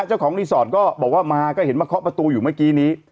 เจ้าของรีสอร์ทก็บอกว่ามาก็เห็นมาเคาะประตูอยู่เมื่อกี้นี้